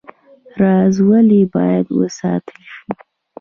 راز ولې باید وساتل شي؟